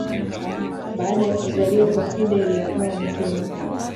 Baada ya kuzaliwa kwa Fidel akawa mkewe